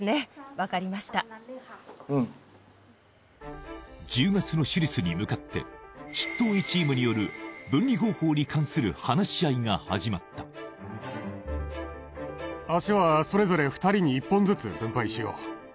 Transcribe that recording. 分かりましたうん１０月の手術に向かって執刀医チームによる分離方法に関する話し合いが始まった脚はそれぞれ２人に１本ずつ分配しよう